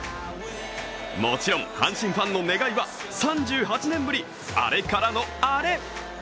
もちろん阪神ファンの願いは３８年ぶりアレからのアレ。